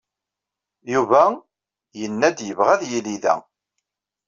Yuba yenna-d yebɣa ad yili da.